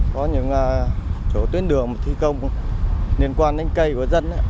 có những chỗ tuyến đường thi công liên quan đến cây của dân